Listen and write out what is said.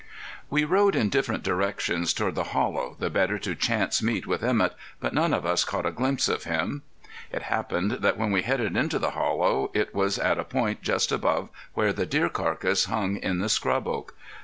V We rode in different directions toward the hollow, the better to chance meeting with Emett, but none of us caught a glimpse of him. It happened that when we headed into the hollow it was at a point just above where the deer carcass hung in the scrub oak.